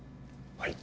はい。